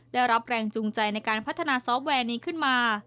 ได้รับแรงจูงใจในการพัฒนาซอฟต์แวร์นี้ขึ้นมา